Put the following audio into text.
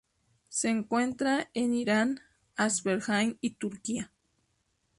Se encuentra en Irán Azerbaijan y Turquía.